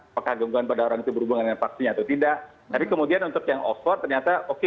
apakah gangguan pada orang itu berhubungan dengan vaksin atau tidak tapi kemudian untuk yang off ternyata oke